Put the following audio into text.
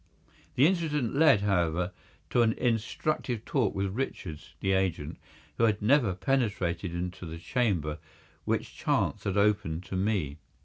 The incident led, however, to an instructive talk with Richards, the agent, who had never penetrated into the chamber which chance had opened to me.